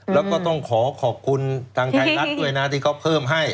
แล้วก็ต้องขอขอบคุณทางไทยรัฐด้วยนะที่เขาเพิ่มให้